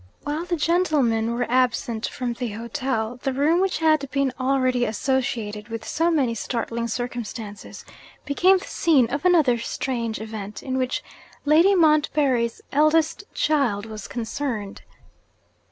While the gentlemen were absent from the hotel, the room which had been already associated with so many startling circumstances, became the scene of another strange event in which Lady Montbarry's eldest child was concerned.